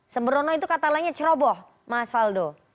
sembrono itu katalanya ceroboh mas faldo